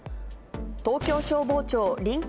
東京消防庁臨港